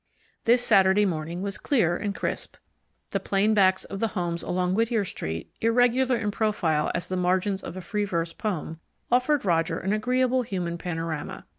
This Saturday morning was clear and crisp. The plain backs of the homes along Whittier Street, irregular in profile as the margins of a free verse poem, offered Roger an agreeable human panorama.